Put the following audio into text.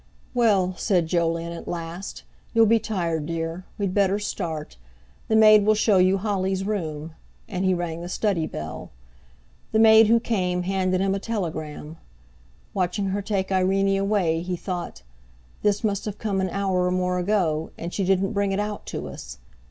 "Well," said Jolyon at last, "you'll be tired, dear; we'd better start. The maid will show you Holly's room," and he rang the study bell. The maid who came handed him a telegram. Watching her take Irene away, he thought: "This must have come an hour or more ago, and she didn't bring it out to us!